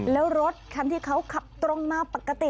แล้วรถคันที่เขาขับตรงมาปกติ